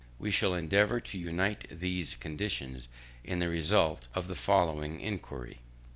We shall endeavour to unite these conditions in the result of the following enquiry.